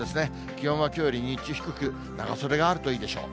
気温はきょうより日中低く、長袖があるといいでしょう。